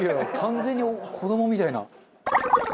完全に子どもみたいな。